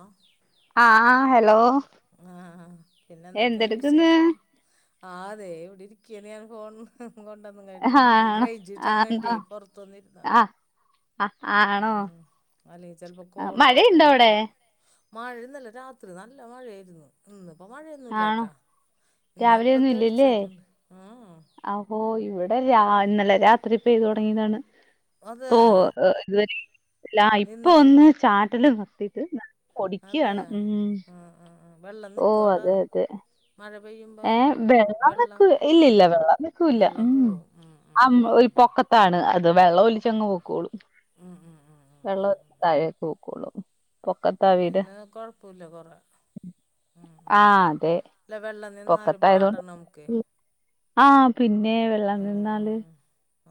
ആ ആഹ് ഹലോ ആഹ പിന്നെ എന്തൊക്കെയണ്ട് എന്തെടുക്കുന്ന് വിശേഷം ആതെ ഇവിടിരി ക്കനിയാണ് ഫൺ [unintelligible] കൊണ്ടൊന്നും കാട്ടാവും ആണോ റേഞ്ച് ആണോ വേണ്ടിയായി പുറത്തുന്നിരുന്നതാണ് ആ ആണോ ചിലപ്പോൾ ആ കോള് മഴയുണ്ടോ കട്ടായി അവിടെ? പോകും മഴ ഇന്നലെ രാത്രി നല്ല മഴയായിരുന്നു ഇന്ന് അപ്പോൾ ആണോ മഴയൊന്നുമല്ലാട്ടോ ഇന്ന് അല്പംതെളിചൊക്കെ ഉണ്ട് ഉം ആ പോയി ഇവിടെ രാ ഇന്നലെ രാത്രി പെയ്ത് തുടങ്ങിയതാണ്. അതെ ഓ ഇതുവരെയും ലാ ഇപ്പൊ നിന്നിട്ട് ഒന്ന് ചാറ്റലും [unintelligible] അതെ ആ ആ വെള്ളം നിക്കും അവിടാ മഴ ഏ പെയ്യുമ്പോൾ വെള്ളം നിക്ക ഇല്ലില്ല വെള്ളം നിക്കൂല ഉം ഒരു പൊക്കത്താണ് അ ത് വെള്ളം ഒലിച്ചങ്ങ് പൊക്കോളും ഉം ഉം ഉം ഉം വെള്ളം ഒലിച്ചു താഴേക്ക് പൊക്കോളും. പൊക്കത്താ വീട് പിന്നെ കൊഴപ്പില്ല കൊറെ ഉം ഉം ആഹ് അതെ അല്ല വെള്ളം എന്നാലും പാടാണ് നമുക്കെ. ആ പിന്നെ വെള്ളം നിന്നാല്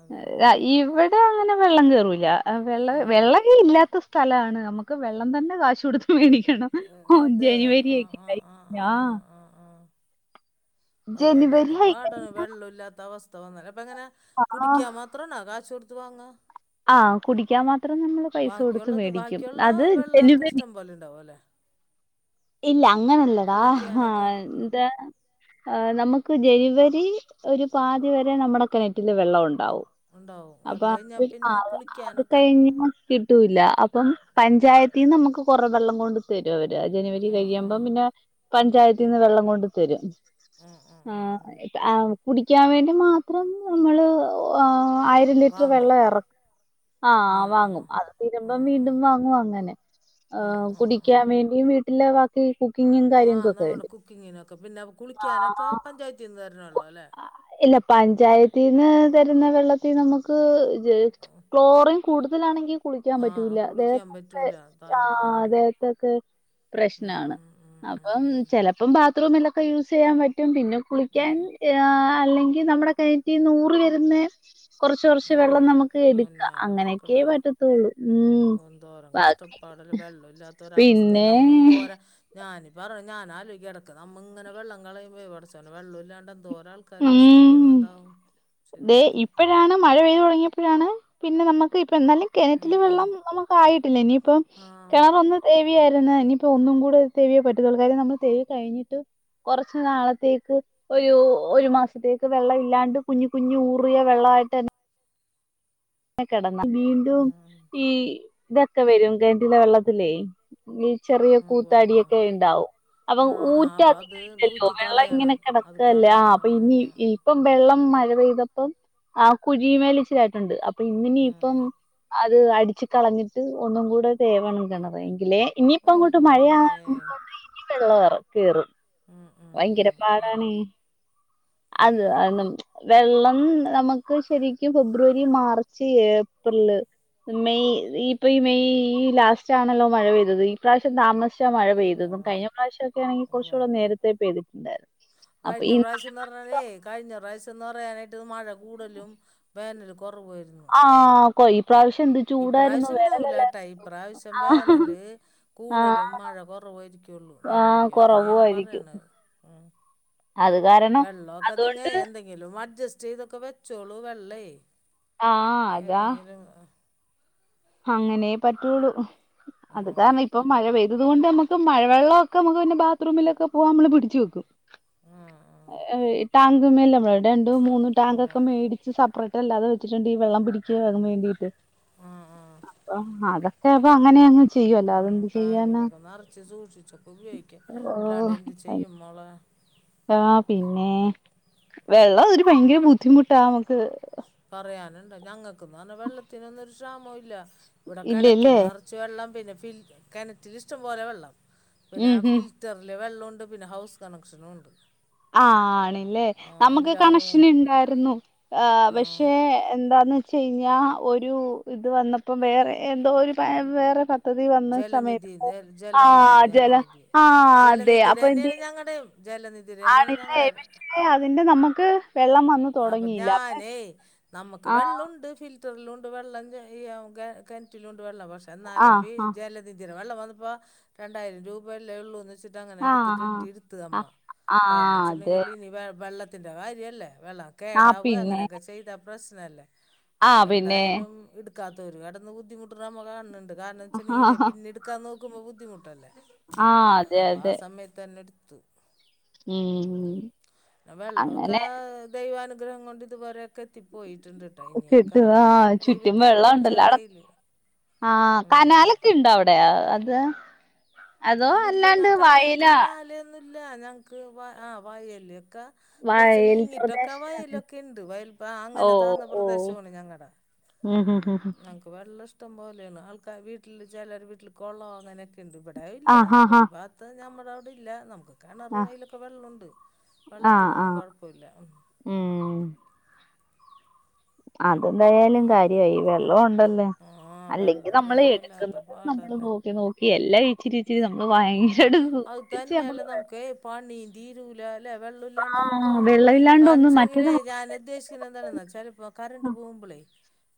അതന്നെ ഇവിടെ അങ്ങനെ വെള്ളം കയറൂല്ല. ആ വെള്ളം ഉം വെള്ളമേ ഇല്ലാത്ത സ്ഥലാണ് നമുക്ക് വെള്ളം തന്നെ കാശ് കൊടുത്ത് മേടി ക്കണം ഉം ഓ അതെ ജനുവരി ആഹ് ഒക്കെ ആഹ് ആയി ആഹ് ആഹ് ഓ ജനുവരി വല്ലാത്ത ആയി പാടാണ് വെള്ളോ ഇല്ലാത്ത അവസ് [unintelligible] അപ്പ അങ്ങനെ ആഹ് കുടിക്കാൻ മാത്രം ആണാ കാശുകൊടു ത്ത് വാങ്ങാ ആഹ് കുടിക്കാൻ മാ ബാക്കിയൊള്ളത് ബാക്കിയൊള്ള വെള്ളം ഒക്കെ ജനുവരി ഇഷ്ടം പോലെ ഇണ്ടാവും ലേ ഇല്ല അങ്ങനല്ലെടാ കുളിക്കാനൊക്കെ ആഹ് എന്താ ആഹ് നമുക്ക് ജനുവരി ഒരു പാതി വരെ നമ്മടെ കിണറ്റില് വെള്ളോ ണ്ടാവും ഉണ്ടാവും അത് അപ്പൊ കഴിഞ്ഞാൽ അ പിന്നെ അത് കുളിക്കാനൊക്കെ കഴിഞ്ഞ് കിട്ടൂല്ല അപ്പം പഞ്ചായത്തീന്ന് നമുക്ക് കൊറേ വെള്ളം കൊണ്ട് തരും അവര് [unintelligible] ജനുവരി ഉം ഉം കഴിയുമ്പം പിന്നെ പഞ്ചായത്തീന്ന് വെള്ളം കൊണ്ട് തരും, ഉം ഉം ആ ഉം ഉം ആ കുടിക്കാൻ വേണ്ടി മാത്രം നമ്മള് ഏഹ് ആയിരം ലിറ്ററ് വാങ്ങും വെള്ളം എറ ആ വാങ്ങും, അത് ആ ആ തീരുമ്പം വീണ്ടും വാങ്ങും അങ്ങനെ, ആ ഏഹ് ആ ആ കുടിക്കാൻ വേണ്ടിയും വീ ബാക്കി [unintelligible] [unintelligible] ആ കാര്യങ്ങൾക്കൊക്കെ നമ്മുടെ വേണ്ടി കുക്കിങ്ങിനൊക്കെ പിന്നെ കുളിക്കാനൊക്കെ ആഹ് പഞ്ചായത്തിൽ നിന്ന് തരണമല്ലോ അല്ലേ ഹാ ഇല്ല പഞ്ചായത്തീന്ന് തരുന്ന വെള്ളത്തി നമുക്ക് ക്ലോറിൻ കൂടുതലാണെങ്കിൽ കുളിക്കാൻ ആ പറ്റൂല കുളിക്കാൻ ദേഹത്തൊക്കെ പറ്റൂല തല ആ ഉം ദേഹത്തൊക്കെ ഉം ഷ്നാണ് ഉം ഉം ഉം അപ്പം ഉം ചിലപ്പം ബാത്റൂമിലൊക്കെ യൂസ് ചെയ്യാൻ പറ്റും പിന്നെ കുളിക്കാൻ ആ അല്ലെങ്കിൽ നമ്മടെ കിണട്ടീന്ന് ഊറി വരുന്നെ കുറച്ചു കുറച്ചു ഓ വെള്ളം നമുക്ക് എടുക്കാം പൊന്നാര അങ്ങനെയൊക്ക മക്കളെ പറ്റത്തുള്ളൂ ഉം എന്തോരം ബാക്കി പിന്നെ നമ്മെന്തോരം ഞാനീ പറഞ്ഞെ ഞാൻ ആലോചിക്കും ഇടയ്ക്ക് നമ്മ ഇങ്ങനെ വെള്ളം കളയുമ്പോ കുച്ചനെ [unintelligible] വെള്ളം ഇല്ലാണ്ട് എന്തോരം ആൾക്കാര് ഉം വിഷമിക്കുന്നുണ്ടാവും ചിന്തിക്ക് പ്പഴാണ് പിന്നെ നമക്ക് ഇപ്പം എന്നാലും ആ കിണറ്റില് വെള്ളം നമുക്ക് ആയിട്ടില്ല ഇനിയിപ്പം ആ ആ കിണറൊന്ന് തേ യായിരുന്ന് ഇനിയിപ്പോ ഒന്നും കൂടെ തേവിയേ പറ്റത്തൊള്ളൂ കാര്യം നമ്മൾ തേവി കഴിഞ്ഞിട്ട് കുറച്ച് നാളത്തേക്ക് ഒരു ഒരു മാസത്തേക്ക് വെള്ളം ഇല്ലാണ്ട് കുഞ്ഞി കുഞ്ഞി ഊറിയ വെള്ളവായിട്ട് ന്നെ കെട വീണ്ടും ഉം ഈ ഇതൊക്കെ വരും കിണറ്റിലെ വെള്ളത്തിലേ ചെറിയ ആ ഉവ്വ ഉവ്വ കൂത്താടിയൊക്കെ ഇണ്ടാവും അപ്പൊ ആ ആ അപ്പം അത് ഊറ്റധികം ഇല്ലല്ലോ ഊറ്റി വെള്ളം ഇങ്ങനെ കളയണം അത് കള കിടക്കുകല്ലേ ആ അപ്പൊ ഇനി ആ ആ ഇപ്പം വെള്ളം മ മഴ പെയ്തപ്പം ആ കുഴീന്മേൽ ഇച്ചിരി ആയിട്ടുണ്ട് അ ഇന്നിനി ആ ഇപ്പം ആ [unintelligible] അത് അടിച്ച് കളഞ്ഞിട്ട് ഒന്നും കൂടെ തേവണം കിണറ് എങ്കിലേ ഓ ഇനിയിപ്പം അങ്ങോട്ട് മഴയാ പൊന്നേ [unintelligible] വെള്ള ഇറങ്ങും കയറും ഉം ഉം ഭയങ്കര ഉം ഉം പാടാണ് ഓ അത് ഉം വെള്ളം നമുക്ക് ശരിക്കും ഫെബ്രുവരി മാർച്ച് ഏപ്രില് മെയ് ഇപ്പൊ ഈ മെയ് ഈ ലാസ്റ്റ് ആണല്ലോ മഴ പെയ്തത് ഈ പ്രാവിശ്യം താമസ- മഴ പെയ്ത ഉവ്വ കഴിഞ്ഞ ഉവ്വ പ്രാവശ്യ ഒക്കെ ആന്നെങ്കിൽ കുറച്ചൂടെ ഉവ്വ ഉവ്വ നേരത്തെ പെയ്തിട്ടുണ്ടായിരുന്നു അപ്പൊ ഈ നാല് മാസ ന്ന് പറയാനായിട്ട് മഴ കൂടുതലും വേനല കുറവ് ആരുന്നു കോ ഇപ്രാവശ്യം ഇണ്ടാവൂല ട്ടാ ഇപ്രാവശ്യം വേനല് ആ കൂടുതലും മഴ കുറവായിരിക്കുള്ളു ആ നോക്കിക്കോ അങ്ങനെയാണ് കുറവായിരിക്കും പറയണത് ഉ അത് കാരണം വെള്ളോഒക്കെനിങേ അതുകൊണ്ട് എന്തെങ്കിലും മ അഡ്ജസ്റ്റ് ചെയ്ത്ഒക്കെ വെച്ചോളു വെള്ളേ ആഹ് അതാ ഏതെങ്കിലും അങ്ങനെ പറ്റുള്ളൂ ആ അത് കാരണം ഇപ്പം മഴ പെയ് തതുകൊണ്ട് നമക്ക് മഴവെള്ളൊക്കെ നമുക്ക് പിന്നെ ബാത്റൂമിലൊക്കെ പോവാൻ നമ്മൾ പിടിച്ച് വെക്കും ആ ആ [unintelligible] ടാങ്ക് മെൽ [unintelligible] ണ്ടും മൂന്ന് ഉവ്വ ടാങ്കൊക്ക മേടിച്ച് സെപ്പറേ ട്ടല്ലാതെ വെച്ചിട്ട്ണ്ട് ഈ വെള്ളം പിടിക്കുവാൻ വേണ്ടീട്ട് ആ ആ ചെൽപ്പം അങ്ങനെയങ്ങ് ഉം ടാങ്കിലൊക്കെ നറ്ച്ചു സൂക്ഷിച്ചൊക്കെ ഉപയോഗിക്ക്യാ ഇല്ലാണ്ട് ഓഹ് എന്തു ചെയ്യും മോളെ ആഹ് പിന്നേ വെള്ളം ഒരു ഭയങ്കര ബുദ്ധിമുട്ടാ മുക്ക് പറയാനുണ്ടോ ഞങ്ങൾക്ക് ന്ന് പറഞ്ഞാ വെള്ളത്തിനൊന്നും ഒരു ക്ഷാമോ ഇല്ല ഇവിടെ ഇല്ലല്ലേ കിണറ്റില് നിറച്ച് വെള്ളം പിന്നെ ഫിൽ കിണറ്റിൽ ഇഷ്ടം പോലെ വെള്ളം പിന്നെ ഉം ഉം ഫിൽറ്ററില് വെള്ള ണ്ട് പിന്നെ ഹൗസ് കണക്ഷനും ഉണ്ട് ആ ണില്ലേ ആ നമുക്ക് എല്ലാ കണക്ഷൻ മൂന്ന് ഇണ്ടായിരുന്നു ആ പക്ഷേ ആ എന്താന്ന് വെ ച്ചഴിഞ്ഞാ ഒരു ഇത് വന്നപ്പം വേറെ എന്തോ ഒരു പ വേറെ പദ്ധതി വന്ന ജലനിധി സമയത്ത് ആ ജലനിധി ജല ജലനിധി ആ അതെ ജലനിധിയുടെ അപ്പൊ തന്നെയാണ് എന്തെയും ഞങ്ങളുടെയും ജലനിധിയുടെ തന്നെയാണ് ആണില്ലേ ഞങ്ങളുടെ പക്ഷേ അതിന്റെ നമ്മുക്ക് വെള്ളം വന്നു അപ്പം ഞാനേ നമ്മുക്ക് ആ വെള്ളുണ്ട് ഫിൽ റ്ററിലുണ്ട് വെള്ളം ഈ കെ കെൻറ്റിലുണ്ട് വെള്ളം പക്ഷെ ആ എന്നാലും ഈ ആ ജല- വെള്ളം വന്നപ്പാ രണ്ടായിരം രൂപല്ലെ ഉള്ളൂന്ന ച്ചിട്ടങ്ങനെ ആ എടുത്തു ആ കെട്ടി എടുത്തത് ആ അമ്മ ആ കാരണം അതെ ച്ചുണ്ടെങ്കില് ഇനി വെള്ള- ത്തിൻ്റെ കാര്യല്ലേ വെള്ളം ആ കേടാവേ പിന്നെ അങ്ങനെയൊക്കെ ചെയ്ത- പ്രശ്ന അല്ലേ ആ അപ്പം പിന്നെ എന്തായാലും ഇട് ക്കാത്തോര് കെട്ന്നു ബുദ്ധിമുട്ട്ണ നമ്മ കാണണ് ണ്ട് കാരണം ആ വെച്ചണ്ടെങ്കിലെ പിന്നെ ട്ക്കാൻ നോക്കുമ്പോ ബു ദ്ധിമുട്ടല്ലേ ആ അതെ അതെ എടുത്തു ഉം ഉം പിന്നെ വെള്ളമൊക്കെ അങ്ങനെ ദൈവാനുഗ്രഹം കൊണ്ട് ഇതുവരെ ഒക്കെ കിട്ട് ആ ചുറ്റും ദൈവത്തി വെള്ളണ്ടല്ലോ അട പടച്ചോന്റെ കയ്യില് ആ ഉം കനാലൊക്കെ ഇണ്ടോ അവ്ടെ അ തെ അതോ അല്ലാണ്ട് വയല- ല്ല ഞങ്ങൾക്ക് വ ആ വയല്ക്കെ കുറച്ച് വയൽ നീങ്ങിട്ടൊക്കെ പ്രദേശാണ് വയലൊക്കെ ഉണ്ട് വയൽപ്പ ഓ അങ്ങനെ താന്ന ഓ പ്രദേശമാണ് ഞങ്ങളടെ ഉം ഹും ഹും ഹും ഞങ്ങള്ക്ക് വെള്ളം ഇഷ് ടം പോലെയാണ് ആൾക്കാര് വീട്ടിൽ ചിലർ വീട്ടിൽ കൊളം അങ്ങനെക്കെ ണ്ട് ഇവിട അഇല്ല ആ ഹാ ഹാ ഇവിടെ ഈ ഭാഗത്ത് നമ്മടെ അവ്ടെല്ല നമുക്ക് കിണറ് ആ അയിലൊക്കെ വെള്ളൊണ്ട് ആ ആ വെള്ളത്തിനൊന്നും കുഴപ്പൊല്ല ഉം അതെന്തായാലും കാര്യായി വെള്ള ള്ളഒണ്ടല്ലേ ആ വെള്ളം അല്ലെങ്കിൽ നമ്മള് ഇല്ലെങ്കിൽ വല്ലാത്ത എടുക്കുന്നത് നമ്മൾ പാടല്ലേ നോക്കി നോക്കി എല്ലാം ഇച്ചിരി ഇച്ച് രി നമ്മള് ആ ഭയങ്കരം ദുഖിച്ച് ഞമക്ക് വെ തീരൂല്ല ല്ലെ വെള്ളല്ലാണ്ടാവുമ്പോ ആഹ് വെള്ളമില്ലാണ്ട് ഒന്നും കാണിച്ചെങ്ങിലേ മറ്റേത് നമ്മ ഞാൻ ഉദ്ദേശിക്കുന്നതെന്താന്ന് ചെലപ്പോ കറണ്ട് പോവുമ്പളേ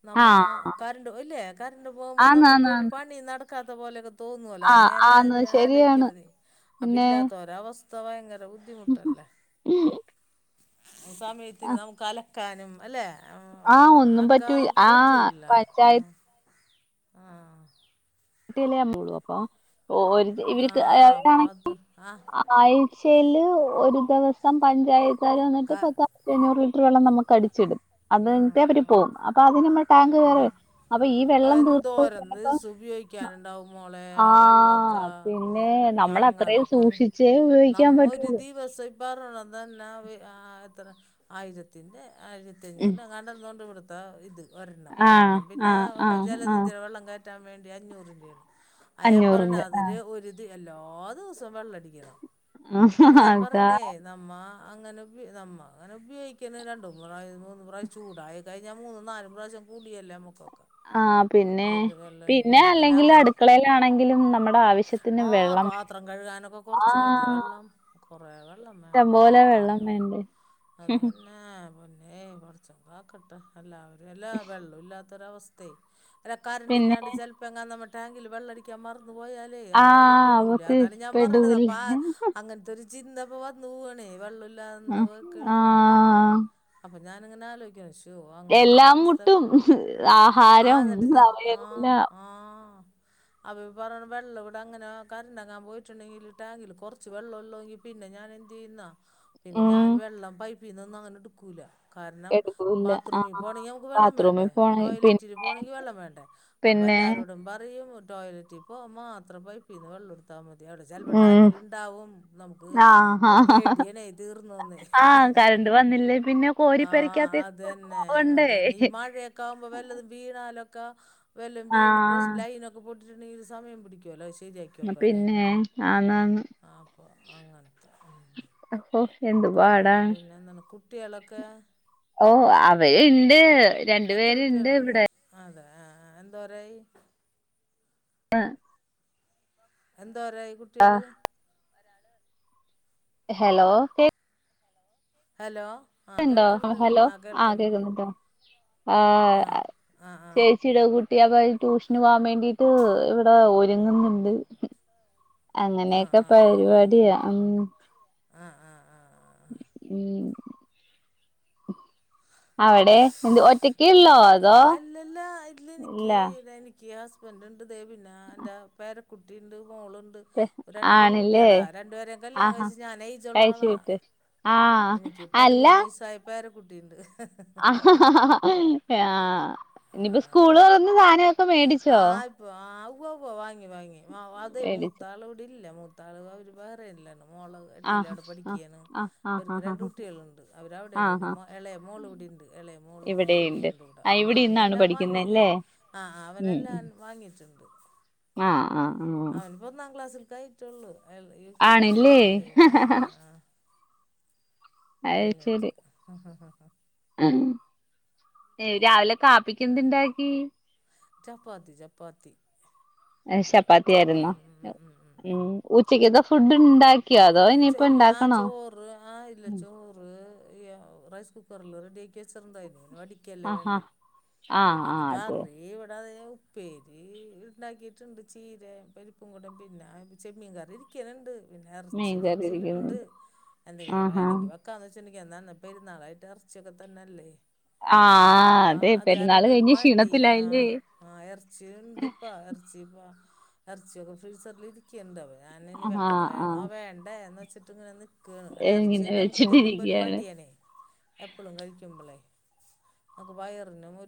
നമ്മ ആഹ് കരണ്ട് ല്ലെ കരണ്ട് പോവുമ്പോ ആന്ന് നമുക്ക് ആന്ന് ഒരു ആന്ന് പണി നട കഥ പോലെ തോന്നുവല്ലോ ആഹ് അനിനാ ആന്ന് ശരിയാണ് ആലോയ്ക്ക്ണതേ അപ്പ പിന്നെ ഇല്ലാതോരെ അവ സ്ത ഭയങ്ക ർ ബുദ്ധിമുട്ടല്ലേ സമയത്തിന് നമുക്ക് അല ക്കാനും അല്ലെ ആ ഒന്നും പറ്റൂയ ആ പച്ചായ ആ ആ [unintelligible] ഓ ഒര് ത് ആ ഇവർക്ക് അപ്പം അത് അവരാണെങ്കിൽ ആ ആഴ്ചയില് ഒ ഒര് ദെവസം പഞ്ചായ ക ന്ന്ട്ട് പത്തായിരത്തി അഞ്ഞൂറ് ലിറ്റർ വേള്ളം നമക്ക് കടിച്ചിടും ആ അത്കഴിഞ്ഞട്ട് ആ അവര് പോകും അപ്പൊ അതിനമ്മ ടാങ്ക് ആ വേറെ അപ്പൊ ഈ വെള്ളം തീർത്ത ചിലപ്പോ ക്കാനുണ്ടാവും മോളെ ആ വെള്ളമൊക്കെ പിന്നെ നമ്മളത്രയും ഞങ്ങളൊക്കെ സൂക്ഷിച്ചേ ഉപയോഗിക്കാൻ നമ്മ പറ്റുള്ളൂ. ഒരു ദിവസം [unintelligible] എത്രെ ആയിരത്തിൻ്റെ ഉം. അഞ്ഞൂറിൻ്റെന്താണ്ട് ങ്ങാണ്ട് ഉണ്ട് ഇവിടുത്തെ ത ഇത് ഒരെണ്ണം ആഹ് ഒരെണ്ണം പിന്നെ ആഹ് ആഹ് ആഹ് ജലനിധയുടെ വെള്ളം കയറ്റാൻ വേണ്ടി ഒരു അഞ്ഞൂറിൻ്റെയാണ് അയാൻ പറഞ്ഞ അഞ്ഞൂറിന്റെ അതില് ഒരുദി എല്ലാ ദിവസവും വെള്ളടിക്കണം ആഹ ഹ അതാ അങ്ങനെയൊക്കെ നമ്മ അങ്ങനെ ഉപയോഗിക്കുന്ന രണ്ടു മൂന്ന് പ്രാവിശ്യം ചൂടായികഴിഞ്ഞാൽ മൂന്നുംനാലും പ്രാവശ്യം കൂളിയല്ലേ നമ്മക്ക് ആഹ് പിന്നെ ഇത് വെള്ള പിന്നെ അല്ല അല്ലെങ്കിലും അങ്ങന അടുക്കളയിലാണെങ്കിലും നമ്മുടെ ആവശ്യത്തിന് ആ വെള്ളം പാത്രം കഴുകാനൊക്കെ കൊറച്ച് മതിയ ആഹ് വെള്ളം കൊറേ വെള്ളം വേണം ഇഷ്ടംപോലെ വെള്ളം അലക്കാനും വേണ്ടേ? അതന്നെ പൊന്നേ കുറ ചോൻ കാക്കട്ടെ അല്ലാ വെള്ളം ഇല്ലാത്ത തൊരു അവസ്ഥേ ല്ല കറണ്ട്റ് പിന്നെ ഇല്ലാണ്ട് ചിലപ്പോ എങ്ങാൻ നമ്മ ടാങ്കിൽ വെള്ളടിക്കാ മറു പോയാലേ ആഹ് ആകെപെടൂലേ അതാണ് ഞാൻ പറഞ്ഞത് അപ്പ പെടൂല്ലേ? അങ്ങനത്തെ ഒരു ജിന്നപ്പോ വന്നു പോവാണേ വെള്ളോം ല്ലാ ആഹ് കേൾക്കുമ്പളെ ആഹ് എന്നിങ്ങനെ ആലോയ്ക്ക എല്ലാം മുട്ടും ആ ആഹാരം അവയല്ല അവർ പറിന വെള്ളം ഇവിടെ അങ്ങനെ കറണ്ടങ്ങാൻ പോയിട്ടുണ്ടെങ്കിൽ ടാങ്കിൽ കുറച്ച് വെള്ളംള്ളെങ്കിൽ പിന്നെ ഞാൻ എന്ത് ചെയ്യുന്നാ പിന്നെ ഉം ഞാൻ വെള്ളം പൈപ്പ് പീനൊന്നും അങ്ങനെ ടുക്കൂല കാരണം എടുക്കൂല്ല ബാത്റൂമിൽ ആഹ് പോണമെങ്കിൽ നമുക്ക് വെള്ളം ബാത്റൂമിൽ വേണ്ടേ പോണ പി ടോയ്ലറ്റിൽ പോണെങ്കിൽ വെള്ളം വേണ്ടേ അപ്പ പിന്നെ എല്ലാരരോടും പറയും ടോയ്ലറ്റ് പ്പോ മാത്രം പൈപ്പീന്ന് വെള്ളം എടു ത്താ മതി അവിടെ ചിലപ ഉം ട്ടാങ്കില് ഇണ്ടാവും നമുക്ക് ആഹ് പേടിയണ തീർന്നോന്നേ ആഹ് കറണ്ട് വന്നില്ലേ പിന്നെ ആഹ കോരിപ്പരിക്കാത്ത അതന്നെ പോവണ്ടേ അതന്നെ ഈ മഴയൊക്കെ ആവുമ്പോ വല്ലതും വീണാ ആലൊക്ക വെല്ലും വീണ് പ്രശ് ആഹ് ലൈനക്കെ പൊ ഒരു സമയം പിടിക്കുവല്ലോ [unintelligible] ഒക്കെ വരാൻ പിന്നെ ആന്ന് ആന്ന് ആ, അപ്പൊ അങ്ങനത്തെ ഉം രണ്ടും വാടാ പിന്നെ എന്താണ് കുട്ടികളൊക്കെ ഓ അവര് ഇണ്ട് രണ്ടു പേരിണ്ട് ഇവിടെ ആ എന്തോരായി ആ എൻ ന്തോരായി കുട്ടികള് ഹലോ കേക് ഹലോ ആഹ് ൻണ്ടോ കേൾക്കണ്ട് ഹലോ ആഹ് ആ കേൾക്കണ്ട് കേൾക്കുന്നുണ്ടോ ആഹ് ആ ആഹ് ചേച്ചിട കൂ [unintelligible] റ്റൂഷന് പോവാൻ വേണ്ടി ഇത് ഇവിടെ രെങ്ങുന്നുണ്ട് ആഹ് അങ്ങനെയൊക്കെ ആഹ് ആഹ് ആഹ് പരുപാടിയ ഉം ആഹ് ആഹ് ആഹ് ആഹ് ആഹ് ഉം അവടെ ആഹ് അല്ലെല്ലാ ഇല്ല ഇതിലെനിക്ക് ഇത് എനിക്ക് ഗ്യാസ് വന്ത്ണ്ട് ണ്ട് ദേ പിന്നെ ആ ന്താ പേര കുട്ടീണ്ട് മോളുണ്ട് രണ്ട് ആണില്ലേ പെൺകുട്ടികളാ രണ്ടു പേരേം കല്യാണം ആഹാ കയിച്ചു ഞാൻ ഏജുള്ള കഴിച്ചു ആളാ വിട്ട് ആഹ് എനിക്ക് പതിമൂന്ന് വയസായ പേര കുട്ടിണ്ട് [unintelligible] ആ നിപ്പൊ ആഹ് സ്കൂള് തൊറന്ന് സാ ആഹ് പ്പൊ ആഹ്‌ വുവ്വോ വാ ഇ വാങ്ങി വ വാതേ മേടിച്ചോ മൂത്താള് വ്ടെഇല്ല മൂ [unintelligible] മോളത് ആഹ് എട്ടിലാട് ആഹ് പഠിക്യാണ് ആഹ് ആഹ് ഓര്ക്ക് ആഹ് രണ്ട് ആഹ് കുട്ടികളുണ്ട് അവരവിടെയാ ആഹ് പിന്നെ ആഹ് മോ എളയ മോളുവിടിണ്ട് എളയ മോളും ഇവിടെയുണ്ട് കുട്ടികളുണ്ടിവിടെ ആ അമ്മാ ഇവിടെ ഇന്നാണ് പിന്നെല്ലാം വാങ്ങി പഠിക്കുന്നല്ലേ ആഹ് ഞാൻ വാങ്ങി [unintelligible] ആ ആആഹ് കയിട്ടുള്ളൂ L U K G L K G ആ ആ ആ അത് കയ്ഞ്ഞിട്ട് ശരി അ അ അ ഹാാ ഏ രാവിലെ കാപ്പിക്കെന്ത് ണ്ടാ‌ക്കീ ചപ്പാത്തി ചപ്പാത്തി എ ചപ്പാത്തി ചപ്പ ആയിരുന്നോ ഉം ഉം ഉച്ചക്ക് എന്തോ ഫുഡ്ണ്ടാക് ച ഇല്ല ആ ചോറ് ആ ഇല്ല ചോറ് ഈ റൈസ് കുക്കറിൽ റെഡി ആക്കി വെച്ചെറന്തായിന് ടിക്കല്ലേ ആഹാ വേണ്ട ആഹ് ആ പിന്ന അതെ കറി ഇവിട ഉപ്പേരി ഉണ്ടാക്കിട്ടുണ്ട് ചീര പരിപ്പും കൂടം പിന്നെ ചെമ്മീൻ കറി ഇരിക്കാനണ്ട് പിന്ന മീൻകറി ഫ്രിഡ്ജ ഉണ്ട് ഇരിക്കുന്നുണ്ട് എന്തെങ്കിലും ആഹാ വേണെങ്ക വെക്കാ അച്ചനക്ക് എന്നാന്ന പെരുന്നാളായിട്ട് ഇറച്ചിയൊക്കെ തന്നെയല്ലേ അപ്പാ ആഹ് അതെ പെരുന്നാള് അതുകാരണം ഒരു കഴിഞ്ഞ് മടി ക്ഷീണത്തിലായില്ലേ ആഹ് ആഹ് ഇറച്ചി ഉണ്ട്പ്പാ ഇറച്ചിപ്പാ ഇറച്ചിയൊക്കെ ഫ്രീസറില് ഇരിക്കുണ്ടാവേ ആഹ് ആഹ് വണ്ടേ എന്ന് വെച്ചിട്ട് ഇങ്ങനെന്ന് അ ഇങ്ങനെ ഇറച്ചിയന്നെ നമക്ക് തിന്നുമ്പോ ഒരു വെച്ചിട്ടിരിക്കയാണ് മടിയനെ എപ്പഴും കഴിക്കും സിമ്പിൾ വയറിനു